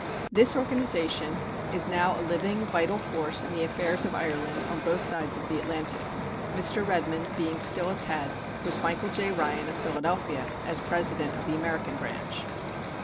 This organization is now a living, vital force in the affairs of Ireland on both sides of the Atlantic, Mr. Redmond being still its head, with Michael J. Ryan, of Philadelphia, as president of the American Branch.